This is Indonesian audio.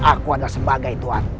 ayo aku yang aku adalah sebagai tuhan